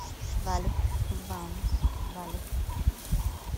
vale, vamos. vale .